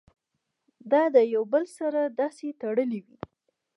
دا د يو بل سره داسې تړلي وي